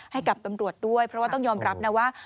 ให้กับตำรวจด้วยเพราะว่าต้องยอมรับนะว่า